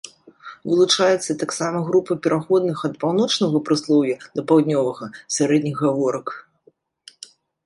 Вылучаецца таксама група пераходных ад паўночнага прыслоўя да паўднёвага сярэдніх гаворак.